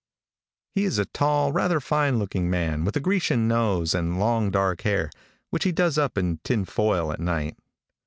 He is a tall, rather fine looking man, with a Grecian nose and long, dark hair, which he does up in tin foil at night.